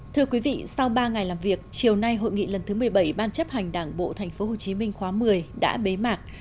thưa quý vị sau ba ngày làm việc chiều nay hội nghị lần thứ một mươi bảy ban chấp hành đảng bộ tp hcm khóa một mươi đã bế mạc